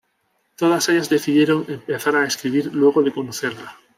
Todas ellas decidieron empezar a escribir luego de conocerla.